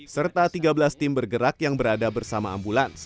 serta tiga belas tim bergerak yang berada bersama ambulans